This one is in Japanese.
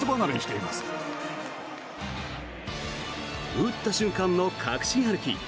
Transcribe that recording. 打った瞬間の確信歩き。